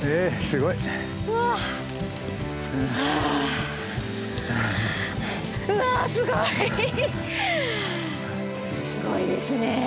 すごいですね。